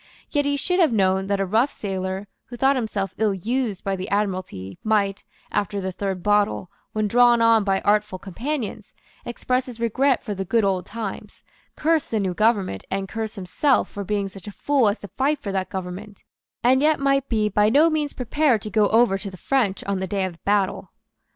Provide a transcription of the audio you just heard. Yet he should have known that a rough sailor, who thought himself ill used by the Admiralty, might, after the third bottle, when drawn on by artful companions, express his regret for the good old times, curse the new government, and curse himself for being such a fool as to fight for that government, and yet might be by no means prepared to go over to the French on the day of battle.